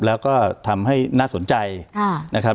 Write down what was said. แล้วก็ทำให้น่าสนใจนะครับ